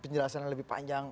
penjelasan yang lebih panjang